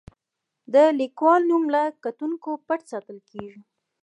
د لیکوال نوم له کتونکو پټ ساتل کیږي.